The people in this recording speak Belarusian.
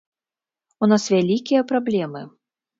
У нас вялікія праблемы.